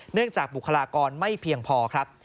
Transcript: จากบุคลากรไม่เพียงพอครับ